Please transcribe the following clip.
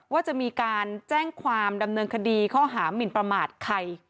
ว่าจะมีการแจ้งความดำเนินคดีข้อหามินประมาทใคร